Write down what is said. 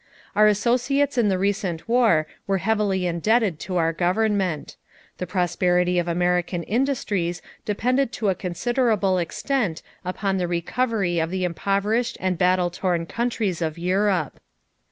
Our associates in the recent war were heavily indebted to our government. The prosperity of American industries depended to a considerable extent upon the recovery of the impoverished and battle torn countries of Europe.